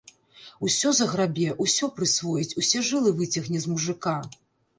Усё заграбе, усё прысвоіць, усе жылы выцягне з мужыка.